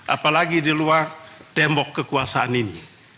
apalagi di luar tembok kekuasaan ini